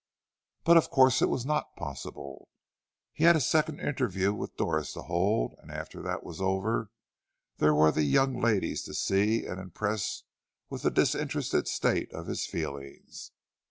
But of course it was not possible. He had his second interview with Doris to hold, and after that was over there were the young ladies to see and impress with the disinterested state of his feelings.